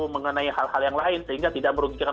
mengenai hal hal yang lain sehingga tidak merugikan